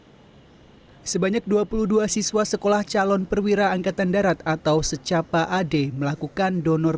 hai sebanyak dua puluh dua siswa sekolah calon perwira angkatan darat atau secapa ade melakukan donor